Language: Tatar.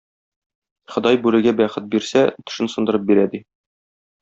Ходай бүрегә бәхет бирсә, тешен сындырып бирә ди.